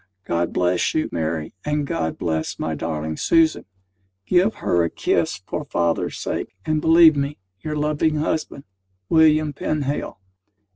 God bless you, Mary, and God bless my darling Susan! Give her a kiss for father's sake, and believe me, Your loving husband, WILLIAM PENHALE.